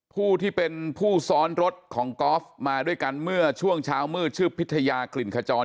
ผู้ที่เป็นผู้ซ้อนรถของกอล์ฟมาด้วยกันเมื่อช่วงเช้ามืดชื่อพิทยากลิ่นขจร